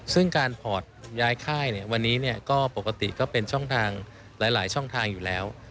ซึ่งการพอร์ตย้ายค่ายวันนี้ก็ปกติก็เป็นช่องทางหลายช่องทางอยู่แล้ว